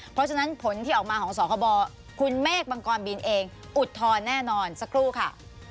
เพราะฉะนั้นผลที่ออกมาของสคบคุณเมฆบังกรบินเองอุทธรณ์แน่นอนสักครู่ค่ะ